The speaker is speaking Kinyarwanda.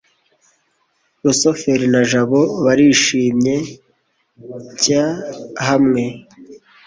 rusufero na jabo barishimye cy hamwe